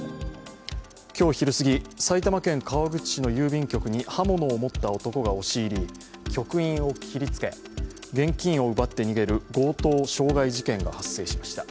今日昼すぎ、埼玉県川口市の郵便局に刃物を持った男が押し入り、局員を切りつけ現金を奪って逃げる強盗傷害事件が発生しました。